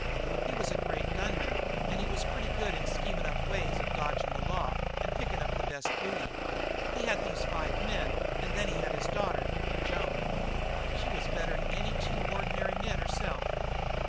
He was a great gunman and he was pretty good in scheming up ways of dodging the law and picking the best booty. He had these five men, and then he had his daughter, Joan. She was better'n two ordinary men herself.